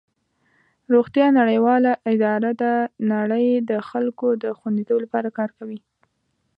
روغتیا نړیواله اداره د نړۍ د خلکو د خوندیتوب لپاره کار کوي.